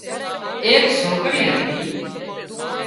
ايڪ سوڪري هتي